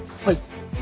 はい。